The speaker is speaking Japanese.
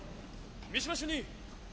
三島主任！